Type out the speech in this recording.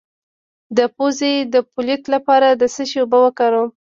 د پوزې د پولیت لپاره د څه شي اوبه وکاروم؟